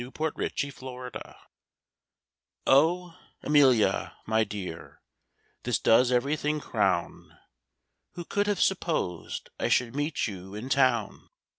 THE RUINED MAID "O 'Melia, my dear, this does everything crown! Who could have supposed I should meet you in Town?